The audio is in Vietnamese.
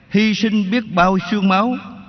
hy sinh biết bao sương máu